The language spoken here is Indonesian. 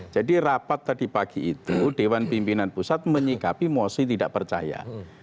jadi rapat tadi pagi itu dewan pimpinan pusat menyikapi mosi tidak percaya